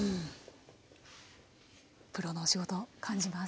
プロのお仕事感じます。